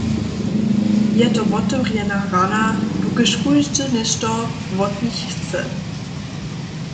Je to wotewrjena rana, dokelž kóždy něšto wot nich chce.